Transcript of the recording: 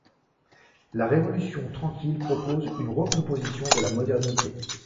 La Révolution tranquille propose une recomposition de la modernité.